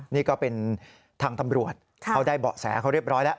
นี่ก็เป็นทางตำรวจเขาได้เบาะแสเขาเรียบร้อยแล้ว